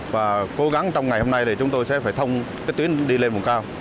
và cố gắng trong ngày hôm nay chúng tôi sẽ phải thông tuyến đi lên vùng cao